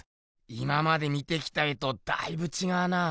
今まで見てきた絵とだいぶちがうな。